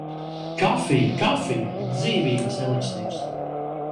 Kafija, kafija! Dzīvības eliksīrs!